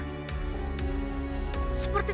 seperti tidak ada raga lain di dunia